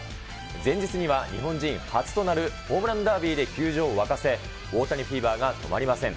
前日には日本人初となるホームランダービーで球場を沸かせ、大谷フィーバーが止まりません。